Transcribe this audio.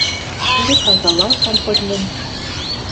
Керек алталалтам хоть мӹнь...»